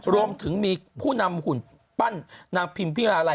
รวมถึงมีผู้นำหุ่นปั้นนางพิมพิราลัย